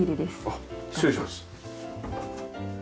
あっ失礼します。